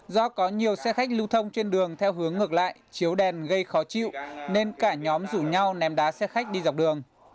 do có nhiều xe khách lưu thông trên đường theo hướng ngược lại chiếu đèn gây khó chịu nên cả nhóm rủ nhau ném đá xe khách đi dọc đường